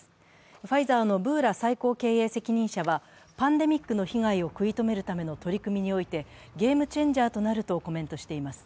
ファイザーのブーラ最高経営責任者は、パンデミックの被害を食い止めるための取り組みにおいてゲームチェンジャーとなるとコメントしています。